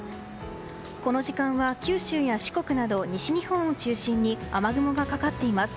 この時間は九州や四国など西日本を中心に雨雲がかかっています。